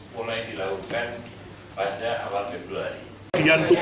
mulai dilakukan pada awal februari